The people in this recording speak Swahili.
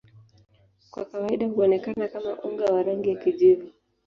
Kwa kawaida huonekana kama unga wa rangi ya kijivu.